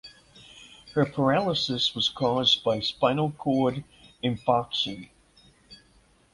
Her paralysis was caused by spinal cord infarction.